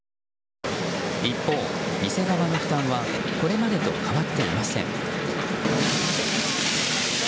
一方、店側の負担はこれまでと変わっていません。